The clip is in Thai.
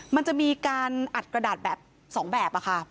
มันจะมีการอัดกระดาษแบบ๒แบบค่ะ